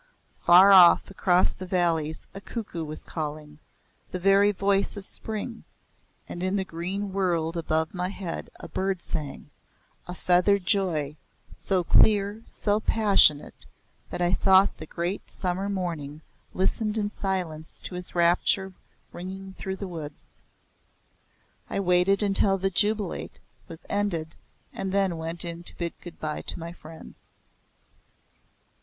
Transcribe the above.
Far off across the valleys a cuckoo was calling the very voice of spring, and in the green world above my head a bird sang, a feathered joy, so clear, so passionate that I thought the great summer morning listened in silence to his rapture ringing through the woods. I waited until the Jubilate was ended and then went in to bid good bye to my friends.